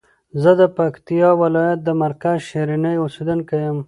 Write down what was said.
زه د پکتیکا ولایت د مرکز شرنی اوسیدونکی یم.